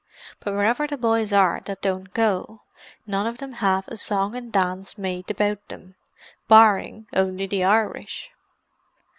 But wherever the boys are that don't go, none of them have a song and dance made about them, barring only the Irish."